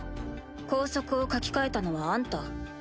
校則を書き換えたのはあんた？